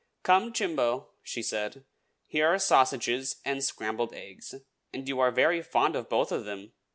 "Come, Chimbo," she said. "Here are sausages and scrambled eggs: and you are very fond of both of them.